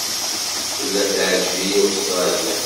Tella teɛǧeb-iyi Ustṛalya.